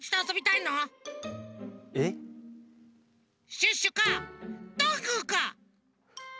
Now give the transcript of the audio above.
シュッシュかどんぐーか！